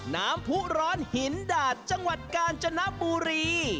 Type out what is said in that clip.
น้ำผู้ร้อนหินดาดจังหวัดกาญจนบุรี